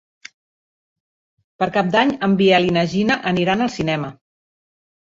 Per Cap d'Any en Biel i na Gina aniran al cinema.